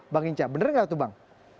bang hinca benar nggak tuh bang